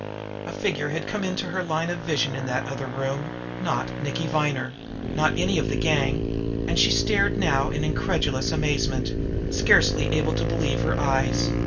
A figure had come into her line of vision in that other room, not Nicky Viner, not any of the gang and she stared now in incredulous amazement, scarcely able to believe her eyes.